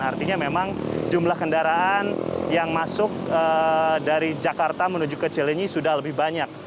artinya memang jumlah kendaraan yang masuk dari jakarta menuju ke cilenyi sudah lebih banyak